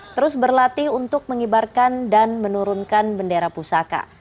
terus berlatih untuk mengibarkan dan menurunkan bendera pusaka